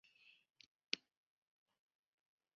甲状舌骨正中韧带是较厚的部分。